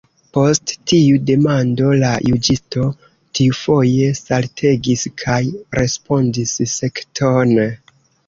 Post tiu demando la juĝisto tiufoje saltegis, kaj respondis sektone.